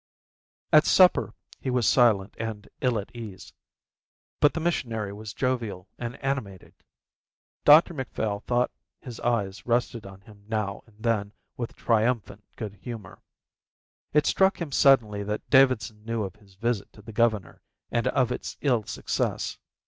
At supper he was silent and ill at ease, but the missionary was jovial and animated. Dr Macphail thought his eyes rested on him now and then with triumphant good humour. It struck him suddenly that Davidson knew of his visit to the governor and of its ill success.